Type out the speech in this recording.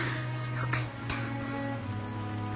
よかった。